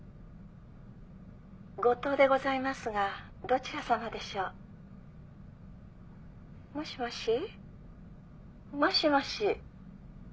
五島でございますがどちらさまでしょう？もしもし？もしもし？